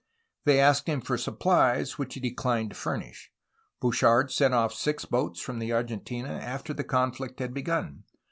They asked him for supplies, which he declined to furnish. Bouchard sent off six boats from the Argentina^ after the conflict had begun.